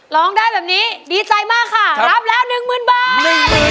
ร้องได้แบบนี้ดีใจมากค่ะรับแล้วหนึ่งหมื่นบาท